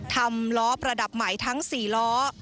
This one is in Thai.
ทำล้อประดับใหม่ทั้ง๔ล้อ